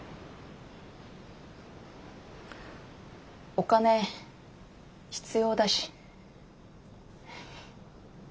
お金必要だし。